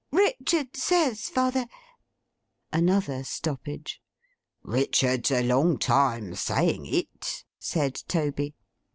'Richard says, father—' Another stoppage. 'Richard's a long time saying it,' said Toby.